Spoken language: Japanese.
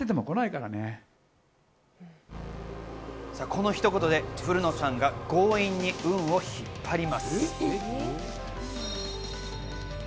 このひと言で古野さんが強引に運を引っ張ります。